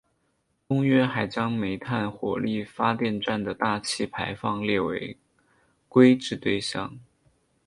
公约还将煤炭火力发电站的大气排放列为规制对象。